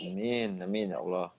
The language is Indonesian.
amin amin ya allah